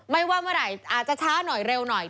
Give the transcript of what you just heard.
ไม่ว่าเมื่อไหร่อาจจะช้าหน่อยเร็วหน่อย